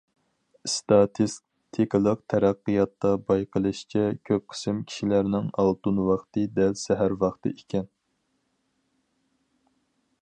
ئىستاتىستىكىلىق تەتقىقاتتا بايقىلىشىچە، كۆپ قىسىم كىشىلەرنىڭ« ئالتۇن ۋاقتى» دەل سەھەر ۋاقتى ئىكەن.